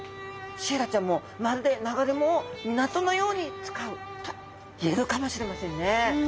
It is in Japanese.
シイラちゃんもまるで流れ藻を港のように使うと言えるかもしれませんね。